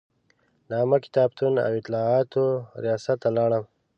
د عامه کتابتون او اطلاعاتو ریاست ته لاړم.